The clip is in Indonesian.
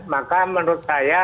maka menurut saya